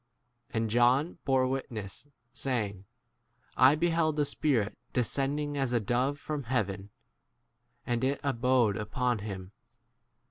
And John bore wit ness, saying, I beheld the Spirit descending as a dove from hea 33 ven, and it abode upon him.